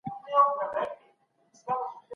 تاسې له خپلو تېروتنو څه زده کړل؟